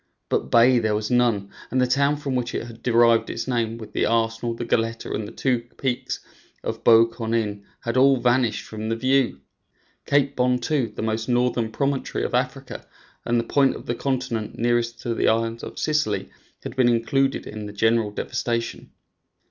But bay there was none, and the town from which it had derived its name, with the Arsenal, the Goletta, and the two peaks of Bou Kournein, had all vanished from the view. Cape Bon, too, the most northern promontory of Africa and the point of the continent nearest to the island of Sicily, had been included in the general devastation.